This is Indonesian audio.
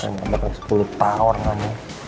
ini udah sepuluh tahun kan